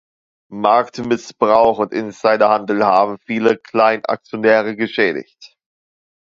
Marktmissbrauch und Insiderhandel haben viele Kleinaktionäre geschädigt.